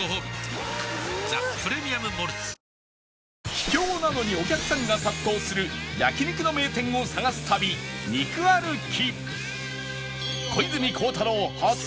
秘境なのにお客さんが殺到する焼肉の名店を探す旅肉歩き